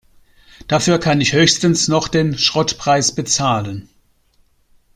Dafür kann ich höchstens noch den Schrottpreis bezahlen.